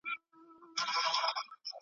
دژوندون کاروان روان، چیري منزَل دئ